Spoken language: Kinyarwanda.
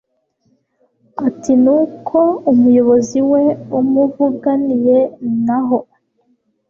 atinuko ari umuyobozi we umuvuganiye naho